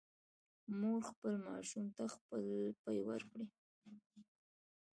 مور خپل ماشوم ته خپل پی ورکوي